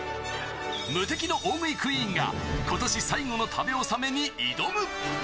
無敵の大食いクイーンが、ことし最後の食べ納めに挑む。